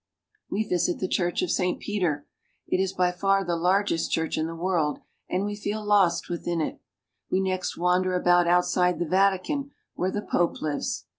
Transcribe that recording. We visit the Church of St. Peter. It is by far the largest church in the world, and we feel lost within it. We next wander about outside the Vatican, where the Pope lives.